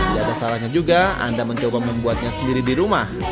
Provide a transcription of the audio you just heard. tidak ada salahnya juga anda mencoba membuatnya sendiri di rumah